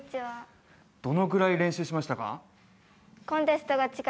どのぐらい練習しましたか？